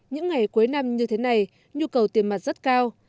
những ngày cuối năm như thế này nhu cầu tiền mặt rất cao